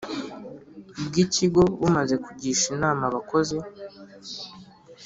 Bw ikigo bumaze kugisha inama abakozi